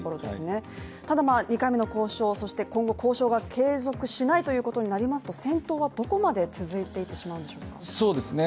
２回目の交渉、そして今後交渉が継続しないということになりますと戦闘はどこまで続いていってしまうんでしょうか？